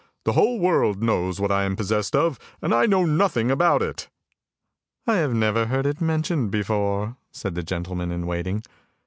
The whole world knows what I am possessed of, and I know nothing about it! "" I have never heard it mentioned before," said the gentleman in waiting.